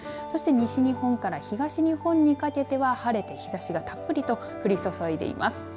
そして西日本から東日本にかけては晴れて日ざしがたっぷりと降りそそいでいます。